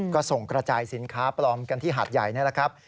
ก็ส่งกระจายสินค้าปลอมกันที่หาดใหญ่นี่แหละครับ